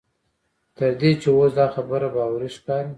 تر دې چې اوس دا خبره باوري ښکاري.